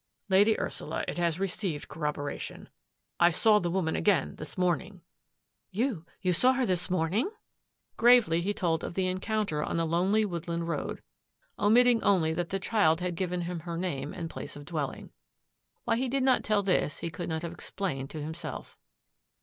" Lady Ursula, it has received corroboration. I saw the woman again this morning." "You — you saw her this morning?" 106 THAT AFFAIR AT THE MANOR Gravely he told of the encounter on the lonely woodland road, omitting only that the child had given him her name and place of dwelling. Why he did not tell this he could not have explained to himself.